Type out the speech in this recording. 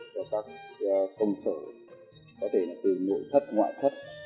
cho các công sở có thể là từ nội thất ngoại thất